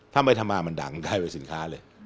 ทำไปทำมามันดังกลายเป็นสินค้าเลย